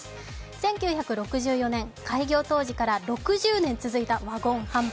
１９６４年、開業当時から６０年続いた車内販売。